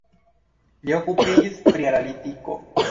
Li okupiĝis pri analitiko.